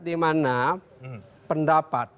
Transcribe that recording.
di mana pendapat